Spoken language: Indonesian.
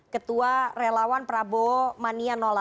ketua relawan prabomania delapan